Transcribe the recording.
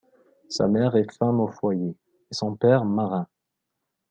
Sa mère est femme au foyer et son père marin.